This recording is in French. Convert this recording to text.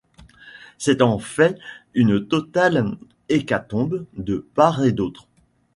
C’est en fait une totale hécatombe de part et d’autre.